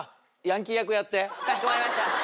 かしこまりました。